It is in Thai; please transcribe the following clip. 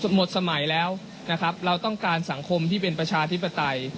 หมดสมัยแล้วนะครับเราต้องการสังคมที่เป็นประชาธิปไตย